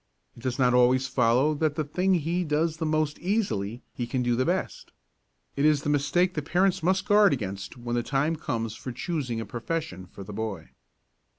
It does not always follow that the thing he does the most easily he can do the best. This is the mistake that parents must guard against when the time comes for choosing a profession for the boy.